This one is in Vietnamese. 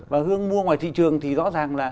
và hương mua ngoài thị trường thì rõ ràng là